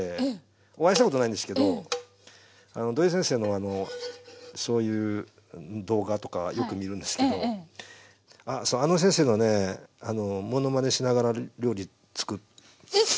お会いしたことないんですけど土井先生のそういう動画とかはよく見るんですけどあの先生のねものまねしながら料理つくる。